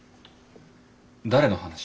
誰の話？